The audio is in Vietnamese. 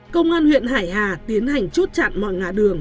công an huyện hải hà tiến hành chốt chặn mọi ngã đường